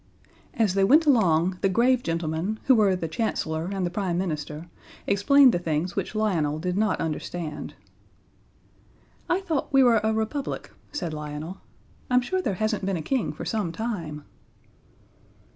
As they went along, the grave gentlemen, who were the Chancellor and the Prime Minister, explained the things which Lionel did not understand. "I thought we were a Republic," said Lionel. "I'm sure there hasn't been a King for some time."